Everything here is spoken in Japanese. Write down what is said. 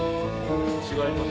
違います？